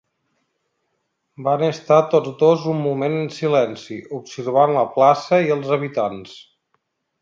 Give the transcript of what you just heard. Van estar tots dos un moment en silenci, observant la plaça i els habitants.